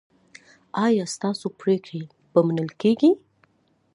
ایا ستاسو پریکړې به منل کیږي؟